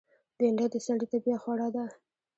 بېنډۍ د سړي طبیعت خوړه ده